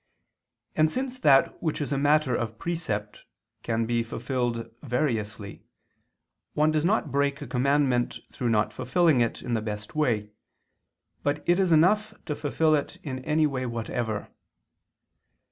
And since that which is a matter of precept can be fulfilled variously, one does not break a commandment through not fulfilling it in the best way, but it is enough to fulfil it in any way whatever.